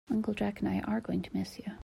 Uncle Jack and I are going to miss you.